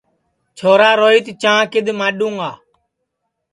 چھورا روہِیت چانٚھ کِدؔ ماڈُؔوں گا